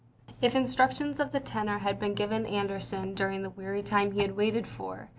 If instructions of this tenor had been given An derson during the weary time he had waited for ,iki; kmi \ii s.